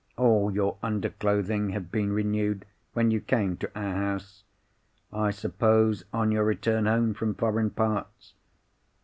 All your underclothing had been renewed, when you came to our house—I suppose on your return home from foreign parts.